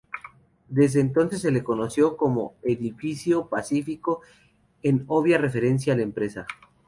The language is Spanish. Desde entonces se lo conoció como "Edificio Pacífico", en obvia referencia a la empresa.